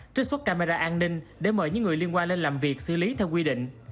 trích xuất camera an ninh để mời những người liên quan lên làm việc xử lý theo quy định